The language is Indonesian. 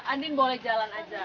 andin boleh jalan aja